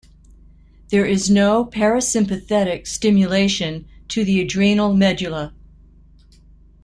There is no parasympathetic stimulation to the adrenal medulla.